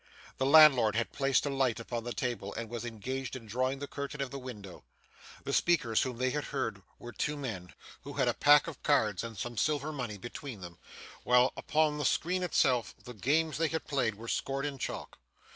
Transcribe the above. The landlord had placed a light upon the table, and was engaged in drawing the curtain of the window. The speakers whom they had heard were two men, who had a pack of cards and some silver money between them, while upon the screen itself the games they had played were scored in chalk.